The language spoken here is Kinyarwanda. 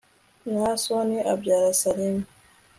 nahasoni abyara salimu